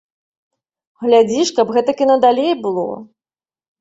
Глядзі ж, каб гэтак і надалей было.